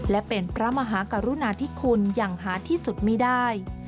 และเป็นพระมหากรุณาธิคุณอย่างหาที่สุดไม่ได้